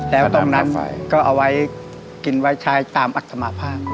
แล้วตรงนั้นก็เอาไว้กินไว้ใช้ตามอัตมาภาพ